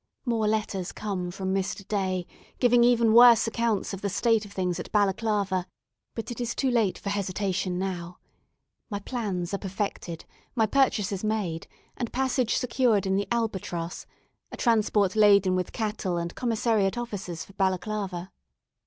More letters come from Mr. Day, giving even worse accounts of the state of things at Balaclava; but it is too late for hesitation now. My plans are perfected, my purchases made, and passage secured in the "Albatross" a transport laden with cattle and commissariat officers for Balaclava.